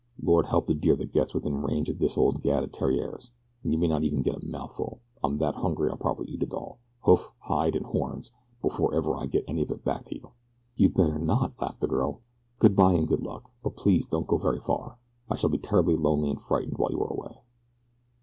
"Lord help the deer that gets within range of this old gat of Theriere's, and you may not get even a mouthful I'm that hungry I'll probably eat it all, hoof, hide, and horns, before ever I get any of it back here to you." "You'd better not," laughed the girl. "Good bye and good luck; but please don't go very far I shall be terribly lonely and frightened while you are away."